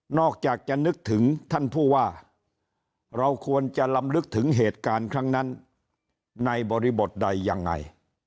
อกจากจะนึกถึงท่านผู้ว่าเราควรจะลำลึกถึงเหตุการณ์ครั้งนั้นในบริบทใดยังไง